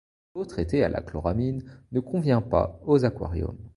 L'eau traitée à la chloramine ne convient pas aux aquariums.